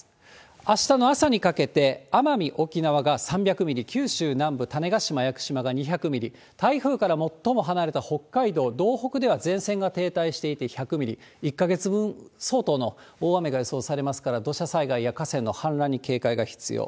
あしたの朝にかけて、奄美・沖縄が３００ミリ、九州南部、種子島、屋久島が２００ミリ、台風から最も離れた北海道道北では前線が停滞していて１００ミリ、１か月分相当の大雨が予想されますから、土砂災害や河川の氾濫に警戒が必要。